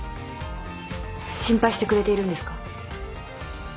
心配してくれているんですか？